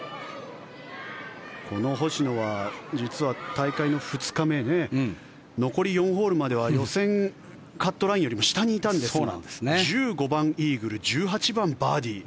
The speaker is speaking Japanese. この星野は、実は大会の２日目残り４ホールまでは予選カットラインよりも下にいたんですが１５番、イーグル１８番、バーディー。